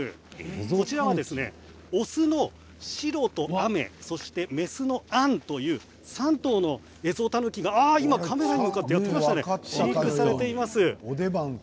こちらは雄のしろとあめそして雌のあんという３頭のエゾタヌキが今カメラに向かってやって来ましたね、飼育されています。